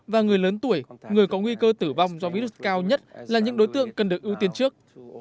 và người lớn tuổi người có nguy cơ tử vong do virus cao nhất là những đối tượng cần được ưu tiên trước